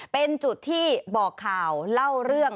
เป็นจุดที่บอกข่าวเล่าเรื่อง